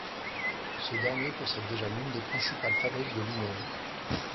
Ce dernier possède déjà l’une des principales fabriques de Limoges.